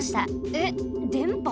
えっでんぱ？